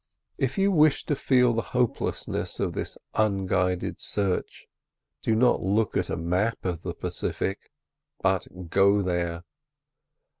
If you wish to feel the hopelessness of this unguided search, do not look at a map of the Pacific, but go there.